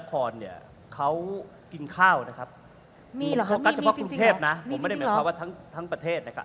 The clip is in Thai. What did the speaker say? ผมไม่ได้หมายความว่าทั้งประเทศนะครับ